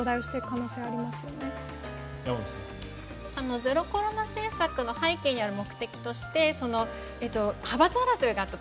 ゼロコロナ政策の背景にある目的として派閥争いがあったと。